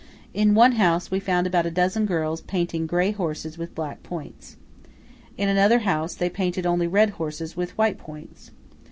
In one house, we found about a dozen girls painting grey horses with black points. In another house, they painted only red horses with white points.